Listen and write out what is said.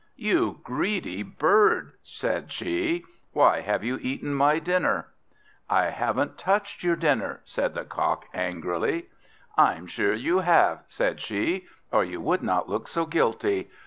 "You greedy bird," said she, "why have you eaten my dinner?" "I haven't touched your dinner," said the Cock angrily. "I'm sure you have," said she, "or you would not look so guilty.